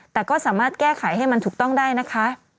แต่ก็สามารถแก้ไขให้มันถูกต้องได้นะคะ